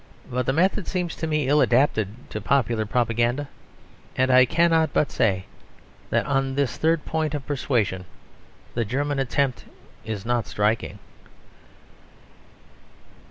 But the method seems to me ill adapted to popular propaganda; and I cannot but say that on this third point of persuasion, the German attempt is not striking.